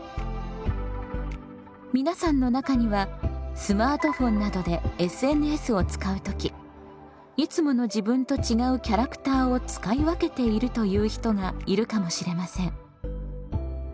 皆さんの中にはスマートフォンなどでＳＮＳを使う時いつもの自分と違うキャラクターを使い分けているという人がいるかもしれません。